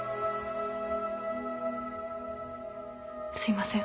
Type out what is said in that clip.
すいません。